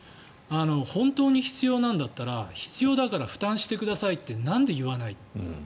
本当に必要なんだったら必要だから負担してくださいってなんで言わない？